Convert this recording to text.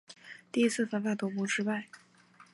第一次反法同盟失败。